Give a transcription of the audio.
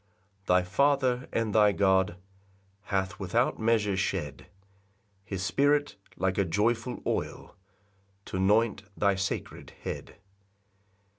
5 [Thy Father and thy God Hath without measure shed His Spirit, like a joyful oil, T'anoint thy sacred head.